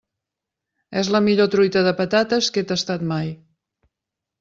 És la millor truita de patates que he tastat mai.